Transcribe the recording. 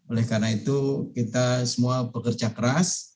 oleh karena itu kita semua bekerja keras